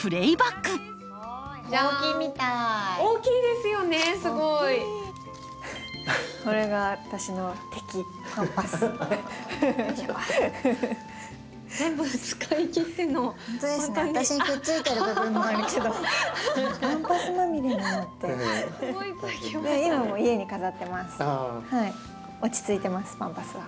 スタジオ落ち着いてますパンパスは。